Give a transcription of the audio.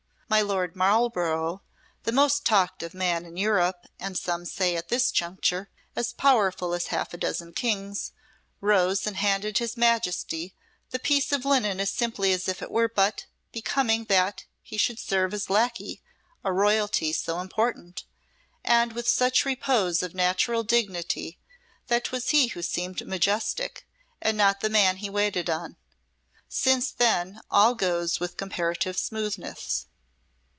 My Lord Marlborough the most talked of man in Europe, and some say, at this juncture, as powerful as half a dozen Kings rose and handed his Majesty the piece of linen as simply as if it were but becoming that he should serve as lackey a royalty so important and with such repose of natural dignity that 'twas he who seemed majestic, and not the man he waited on. Since then all goes with comparative smoothness.